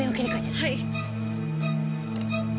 はい。